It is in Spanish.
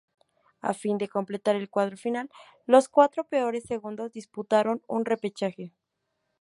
A fin de completar el cuadro final, los cuatro peores segundos disputaron un repechaje.